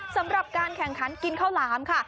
สำหรับการแข่งขันกินข้าวหลามค่ะ